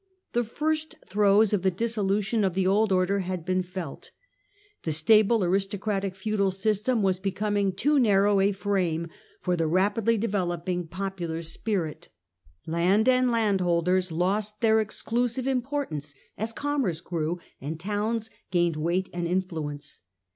The first throes of the dissolution of the old order had been felt. The stable aristocratic feudal system was becoming too narrow a frame for the rapidly developing popular spirit. Land and landholders lost their exclusive importance as commerce grew and towns gained weight and influence.